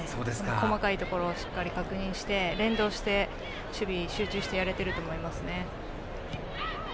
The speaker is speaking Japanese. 細かいところをしっかり確認して連動して集中して守備をやれていると思います。